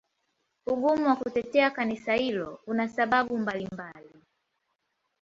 Ugumu wa kutetea Kanisa hilo una sababu mbalimbali.